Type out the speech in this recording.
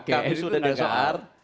kami sudah dengar